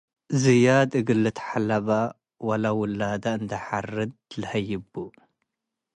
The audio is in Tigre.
ዝያድ እግል ልትሐለበ ወለውላደ እንዴ ሐርድ ልሀይቡ ።